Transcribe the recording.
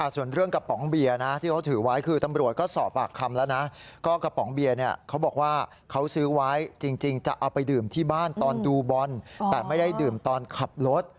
ส่วนเรื่องกระป๋องเบียร์นะที่เขาถือไว้คือตำรวจก็สอบปากคำแล้วนะก็กระป๋องเบียร์เนี่ยเขาบอกว่าเขาซื้อไว้จริงจะเอาไปดื่มที่บ้านตอนดูบอลแต่ไม่ได้ดื่มตอนขับรถ